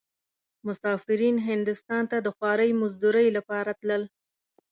مسافرين هندوستان ته د خوارۍ مزدورۍ لپاره تلل.